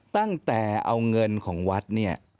ตั้งแต่เอาเงินของวัดเนี่ย